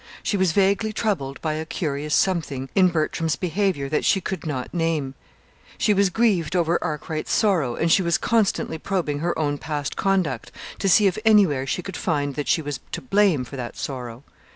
She was vaguely troubled by a curious something in Bertram's behavior that she could not name; she was grieved over Arkwright's sorrow, and she was constantly probing her own past conduct to see if anywhere she could find that she was to blame for that sorrow.